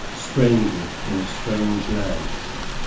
STRANGER IN A STRANGE LAND.